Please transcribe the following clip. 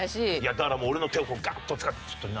だからもう俺の手をガッとつかんで。